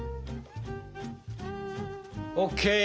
ＯＫ！